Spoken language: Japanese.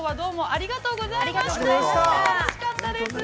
◆ありがとうございます。